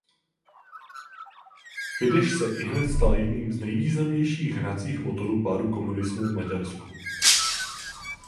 Fidesz se ihned stal jedním z nejvýznamnějších hnacích motorů pádu komunismu v Maďarsku.